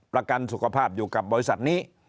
ประกันสุขภาพอยู่กับบริษัทนี้